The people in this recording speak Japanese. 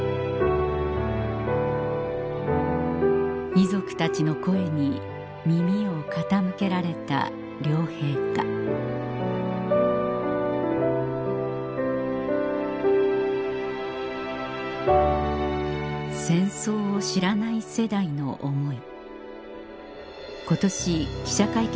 遺族たちの声に耳を傾けられた両陛下戦争を知らない世代の思い